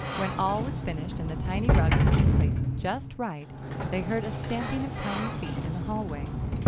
When all was finished and the tiny rugs had been placed just right, they heard a stamping of tiny feet in the hallway.